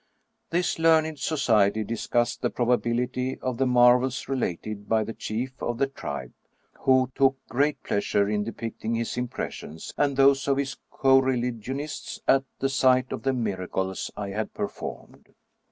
This learned society discussed the probability of the mar vels related by the chief of the tribe, who took great pleas ure in depicting his impressions and those of his coreligion ists at the sight of the miracles I had performed.